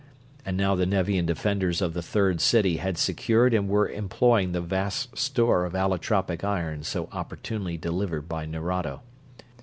And now the Nevian defenders of the Third City had secured and were employing the vast store of allotropic iron so opportunely delivered by Nerado.